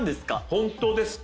ホントですか？